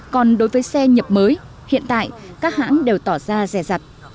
còn đối với xe nhập mới hiện tại các hãng đều tỏ ra rè rặt